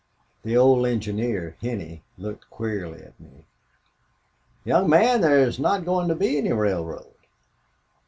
The old engineer, Henney, looked queerly at me. "'Young man, there's not going to be any railroad.